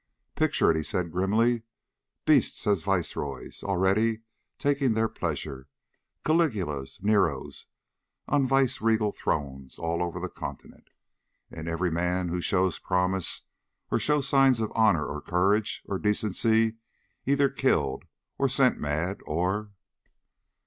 "Picture it," he said grimly. "Beasts as viceroys, already taking their pleasure. Caligulas, Neros, on viceregal thrones all over the continent.... And every man who shows promise, or shows signs of honor or courage or decency, either killed or sent mad or...."